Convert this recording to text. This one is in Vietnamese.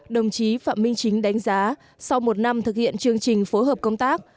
đồng chí phạm minh chính đánh giá sau một năm thực hiện chương trình phối hợp công tác